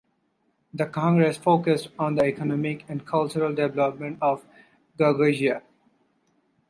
The congress focused on the economic and cultural development of Gagauzia.